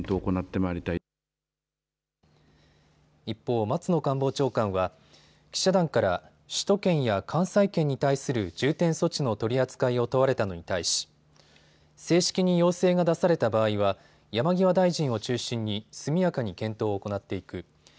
一方、松野官房長官は記者団から首都圏や関西圏に対する重点措置の取り扱いを問われたのに対し、正式に要請が出された場合は山際大臣を中心に速やかに検討を行っていく。